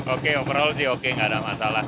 oke overall sih oke nggak ada masalah